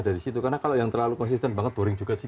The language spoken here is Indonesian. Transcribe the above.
karena kalau yang terlalu konsisten banget boring juga sih